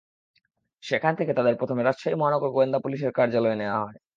সেখান থেকে তাঁদের প্রথমে রাজশাহী মহানগর গোয়েন্দা পুলিশের কার্যালয়ে নেওয়া হয়।